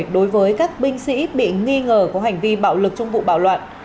đối với các binh sĩ bị nghi ngờ có hành vi bạo lực trong vụ bạo loạn